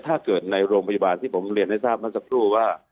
ถ้าเกิดในโรงพยาบาลที่ผมเรียนให้ทราบมันจะพูดว่า